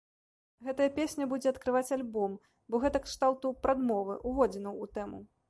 Гэтая песня будзе адкрываць альбом, бо гэта кшталту прадмовы, уводзінаў у тэму.